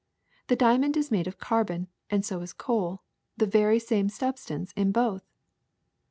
The dia mond is made of carbon, and so is coal — the very same substance in both.